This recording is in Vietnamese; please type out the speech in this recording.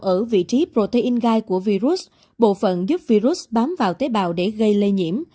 ở vị trí protein gai của virus bộ phận giúp virus bám vào tế bào để gây lây nhiễm